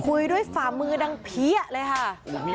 คุยด้วยฝ่ามือดังเพี้ยเลยค่ะ